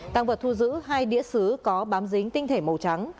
tăng vật thu giữ hai đĩa xứ có bám dính tinh thể màu trắng